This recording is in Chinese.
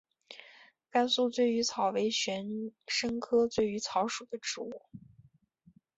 甘肃醉鱼草为玄参科醉鱼草属的植物。